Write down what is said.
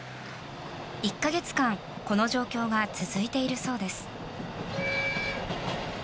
１か月間この状況が続いているそうです。